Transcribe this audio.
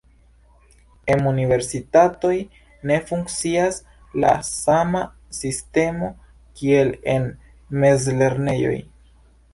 Em universitatoj ne funkcias la sama sistemo kiel en mezlernejoj.